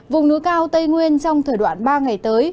vùng núi cao tây nguyên trong thời đoạn ba ngày tới